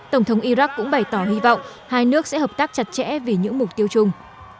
tổng thống iraq cũng bày tỏ hy vọng hai nước sẽ hợp tác chặt chẽ vì những mục tiêu chung